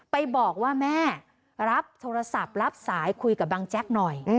ไปบอกว่าแม่รับโทรศัพท์รับสายคุยกับบังแจ๊กหน่อย